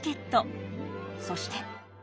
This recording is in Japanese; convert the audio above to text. そして。